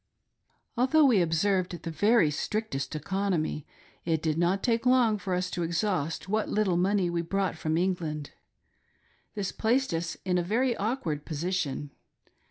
Although we observed the very strictest economy, it did not take long for us to exhaust what little money we brought from England. This placed us in a very awkward position.